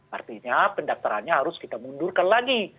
artinya pendaftarannya harus kita mundurkan lagi